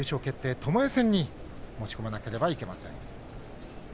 戦ともえ戦に持ち込まなければいけません。